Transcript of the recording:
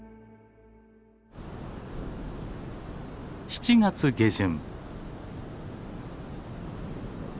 ７月下旬。